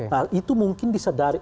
nah itu mungkin disadari